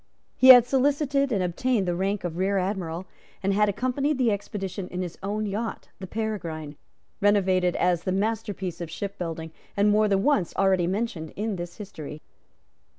He had solicited and obtained the rank of Rear Admiral, and had accompanied the expedition in his own yacht, the Peregrine, renowned as the masterpiece of shipbuilding, and more than once already mentioned in this history.